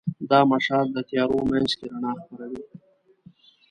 دا مشال د تیارو منځ کې رڼا خپروي.